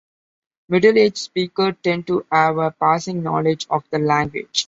Middle aged speakers tend to have a passing knowledge of the language.